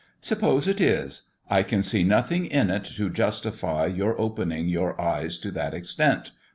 "Suppose it is, I can see nothing in it to justify your opening your eyes to that extent!"